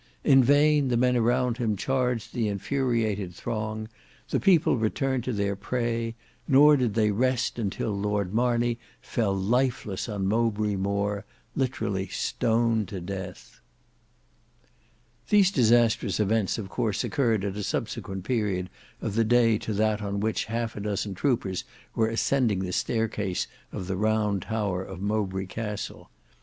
In vain the men around him charged the infuriated throng; the people returned to their prey, nor did they rest until Lord Marney fell lifeless on Mowbray Moor, literally stoned to death. These disastrous events of course occurred at a subsequent period of the day to that on which half a dozen troopers were ascending the staircase of the Round Tower of Mowbray Castle.